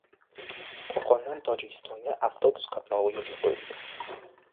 Qo‘qondan Tojikistonga avtobus qatnovi yo‘lga qo‘yildi